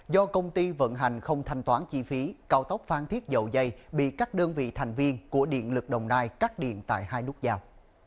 do công ty vận hành không thanh toán chi phí cao tốc phan thiết dầu dây bị các đơn vị thành viên của điện lực đồng nai cắt điện tại hai nút giao